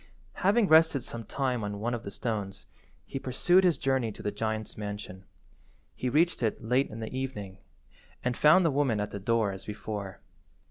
Having rested some time on one of the stones, he pursued his journey to the giant's mansion. He reached it late in the evening, and found the woman at the door as before.